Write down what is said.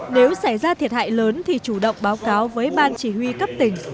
nếu xảy ra thiệt hại lớn thì chủ động báo cáo với ban chỉ huy cấp tỉnh